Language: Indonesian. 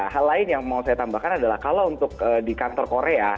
hal lain yang mau saya tambahkan adalah kalau untuk di kantor korea